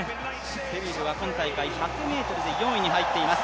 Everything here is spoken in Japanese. セビルは今大会１００ｍで４位に入っています。